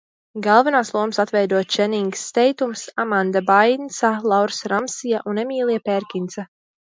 Galvenās lomas atveido Čenings Teitums, Amanda Bainsa, Laura Ramsija un Emīlija Pērkinsa.